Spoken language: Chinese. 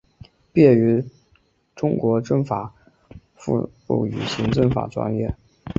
毕业于中国政法大学宪法与行政法专业。